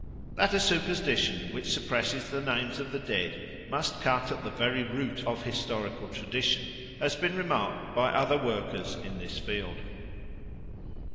That a superstition which suppresses the names of the dead must cut at the very root of historical tradition has been remarked by other workers in this field.